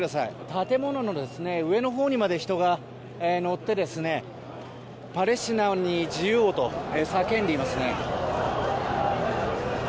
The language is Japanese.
建物の上のほうにまで人が乗ってパレスチナに自由をと叫んでいますね。